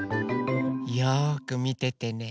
よくみててね。